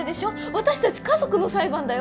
私たち家族の裁判だよ。